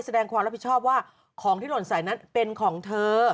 แสดงความรับผิดชอบว่าของที่หล่นใส่นั้นเป็นของเธอ